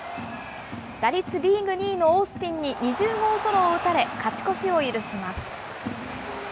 打率リーグ２位のオースティンに２０号ソロを打たれ、勝ち越しを許します。